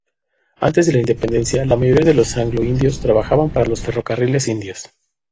Antes de la independencia, la mayoría de los anglo-indios trabajaban para los ferrocarriles indios.